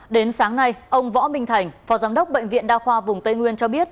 đến sáng nay ông võ minh thành phó giám đốc bệnh viện đa khoa vùng tây nguyên cho biết